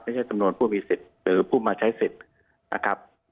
จำนวนผู้มีสิทธิ์หรือผู้มาใช้สิทธิ์นะครับ